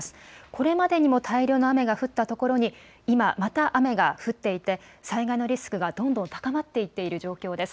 これまでにも大量の雨が降った所に、今、また雨が降っていて、災害のリスクがどんどん高まっていっている状況です。